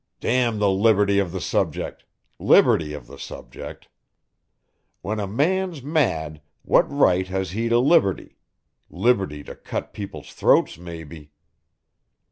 "Damn the liberty of the subject liberty of the subject. When a man's mad what right has he to liberty liberty to cut people's throats maybe.